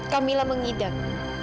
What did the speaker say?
kak mila mengidam